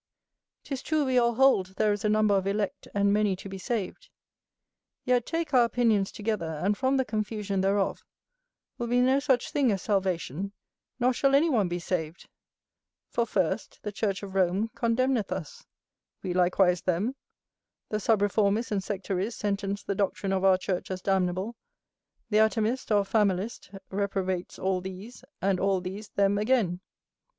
'Tis true, we all hold there is a number of elect, and many to be saved; yet, take our opinions together, and from the confusion thereof, there will be no such thing as salvation, nor shall any one be saved: for, first, the church of Rome condemneth us; we likewise them; the sub reformists and sectaries sentence the doctrine of our church as damnable; the atomist, or familist, reprobates all these; and all these, them again.